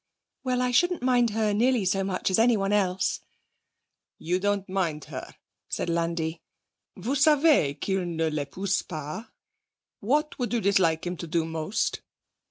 'Well, I shouldn't mind her nearly so much as anyone else.' 'You don't mind her,' said Landi. 'Vous savez qu'il ne l'épouse pas? What would you dislike him to do most?'